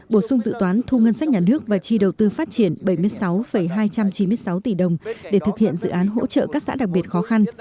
bổ sung dự toán thu ngân sách nhà nước và chi đầu tư phát triển bảy mươi sáu hai trăm chín mươi sáu tỷ đồng để thực hiện dự án hỗ trợ các xã đặc biệt khó khăn